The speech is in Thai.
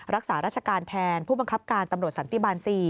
รักษาราชการแทนผู้บังคับการตำรวจสันติบาล๔